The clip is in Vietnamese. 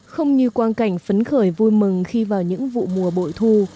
không như quang cảnh phấn khởi vui mừng khi vào những vụ mùa bội thu